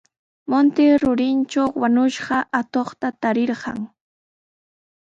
Munti rurintraw wañushqa atuqta tarirqan.